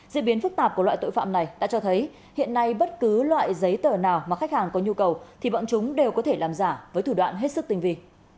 diễn biến phức tạp của loại tội phạm này đã cho thấy hiện nay bất cứ loại giấy tờ nào mà khách hàng có nhu cầu thì bọn chúng đều có thể làm giả với thủ đoạn hết sức tinh vị